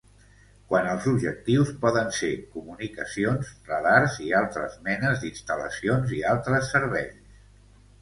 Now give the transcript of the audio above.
Quant als objectius, poden ser comunicacions, radars i altres menes d'instal·lacions i altres serveis.